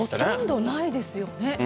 ほとんどないですよね。